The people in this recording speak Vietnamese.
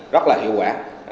rất là hiệu quả